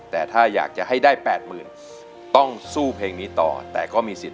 แต่ถ้าอยากจะให้ได้แปดหมื่นต้องสู้เพลงนี้ต่อแต่ก็มีสิทธิ